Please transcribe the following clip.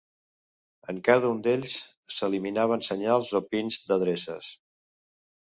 En cada un d'ells s'eliminaven senyals o pins d'adreces.